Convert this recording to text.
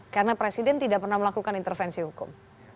karena presiden tidak pernah melakukan intervensi hukum